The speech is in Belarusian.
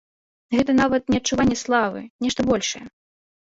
Гэта нават не адчуванне славы, нешта большае.